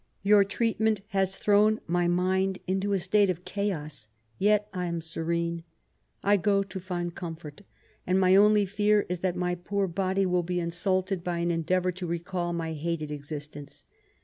Your treatment has throvm my mind into a state of chaos ; yet I am serene. I go to find comfort ; and my only fear is that my poor body will be insulted by an endeavour to recall my hated exis tence.